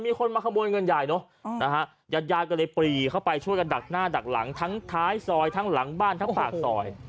มีคนมาขโมยเงินใหญ่เนอะนะฮะญาติญาติก็เลยปรีเข้าไปช่วยกันดักหน้าดักหลังทั้งท้ายซอยทั้งหลังบ้านทั้งปากซอย